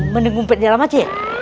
mending umpetnya lama sih